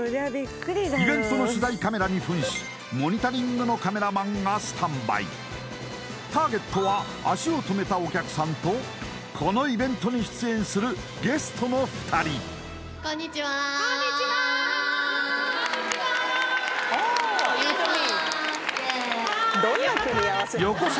イベントの取材カメラに扮し「モニタリング」のカメラマンがスタンバイターゲットは足を止めたお客さんとこのイベントに出演するゲストの２人こんにちはお願いします